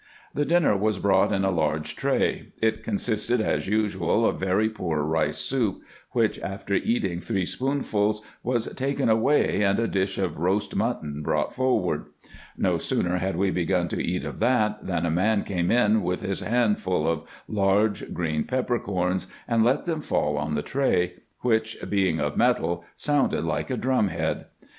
The dinner was brought in a large tray. It consisted, as usual, of very poor rice soup, which, after eating three spoonsful, was taken away, and a dish of roast mutton brought forward. No sooner had we begun to eat of that, than a man came in with his hand full of large green peppercorns, and let them fall on the tray, which, being of metal, sounded like a drum head.